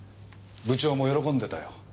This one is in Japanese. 部長も喜んでたよ。